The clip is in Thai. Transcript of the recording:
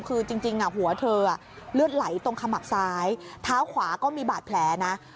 คือจริงหัวเธอเลือดไหลตรงขมับซ้ายเท้าขวาก็มีบาดแผลนะ